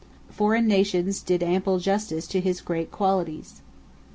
Foreign nations did ample justice to his great qualities.